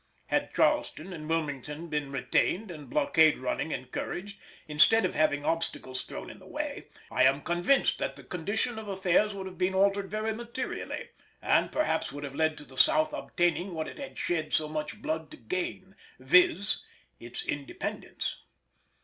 Had Charleston and Wilmington been retained and blockade running encouraged, instead of having obstacles thrown in the way, I am convinced that the condition of affairs would have been altered very materially, and perhaps would have led to the South obtaining what it had shed so much blood to gain, viz. its independence.